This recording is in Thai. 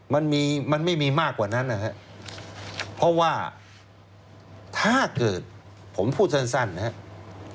มันมีมันไม่มีมากกว่านั้นนะครับเพราะว่าถ้าเกิดผมพูดสั้นนะครับ